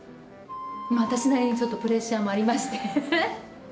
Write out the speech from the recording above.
私なりにちょっとプレッシャーもありまして。